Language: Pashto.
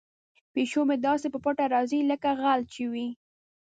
پیشو مې داسې په پټه راځي لکه غل چې وي.